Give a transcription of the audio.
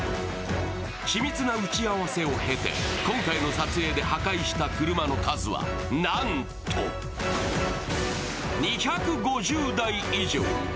緻密な打ち合わせを経て、今回の撮影で破壊した車の数はなんと２５０台以上。